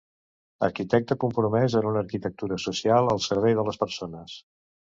Arquitecte compromès en una arquitectura social al servei de les persones.